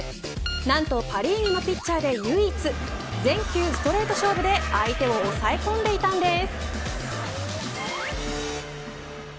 なんとパ・リーグのピッチャーで唯一全球ストレート勝負で相手を抑え込んでいたんです。